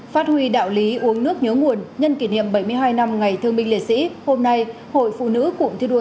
phát huy đạo lý uống nước nhớ nguồn nhân kỷ niệm bảy mươi hai năm ngày thương binh liệt sĩ hôm nay hội phụ nữ cụng thi đua